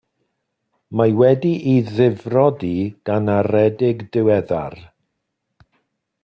Mae wedi'i ddifrodi gan aredig diweddar.